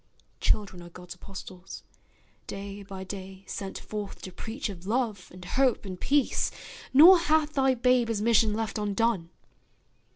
Children are God's apostles, day by day Sent forth to preach of love, and hope, and peace, Nor hath thy babe his mission left undone.